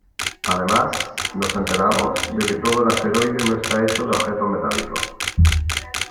Además, nos enteramos de que todo el Asteroide no está hecho de objetos metálicos.